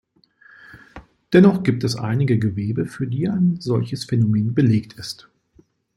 Dennoch gibt es einige Gewebe, für die ein solches Phänomen belegt ist.